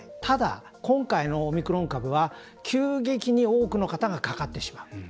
ただ、今回のオミクロン株は急激に多くの方がかかってしまう。